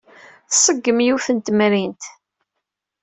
Tṣeggem yiwet n temrint.